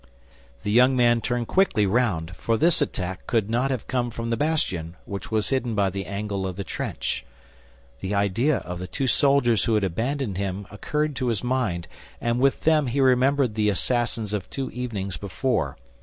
The young man turned quickly round, for this attack could not have come from the bastion, which was hidden by the angle of the trench. The idea of the two soldiers who had abandoned him occurred to his mind, and with them he remembered the assassins of two evenings before.